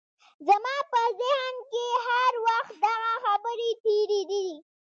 زما په ذهن کې هر وخت دغه خبرې تېرېدې